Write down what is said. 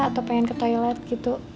atau pengen ke toilet gitu